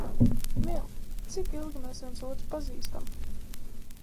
Nīl, cik ilgi mēs viens otru pazīstam?